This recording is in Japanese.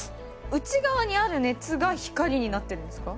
内側にある熱が光になってるんですか？